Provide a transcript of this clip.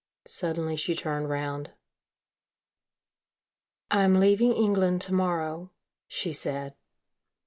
Suddenly, she turned round, "I am leaving England to morrow," she said.